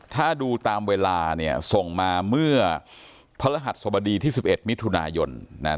ถ้าดูตามเวลาเนี่ยส่งมาเมื่อพระรหัสสบดีที่๑๑มิถุนายนนะครับ